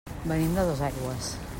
Venim de Dosaigües.